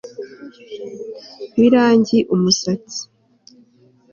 Wirangi umusatsi